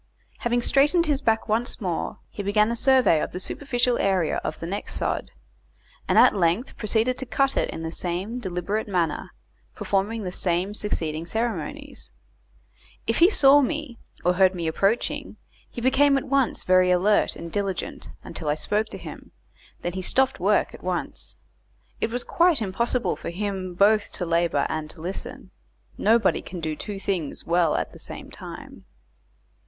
Having straightened his back once more, he began a survey of the superficial area of the next sod, and at length proceeded to cut it in the same deliberate manner, performing the same succeeding ceremonies. If he saw me, or heard me approaching, he became at once very alert and diligent until I spoke to him, then he stopped work at once. It was quite impossible for him both to labour and to listen; nobody can do two things well at the same time.